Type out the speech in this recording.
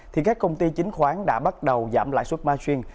thì các công ty chính khoán đã bắt đầu giảm lãi suất martin